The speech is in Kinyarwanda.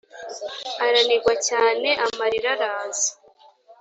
Aranigwa cyane amarira araza!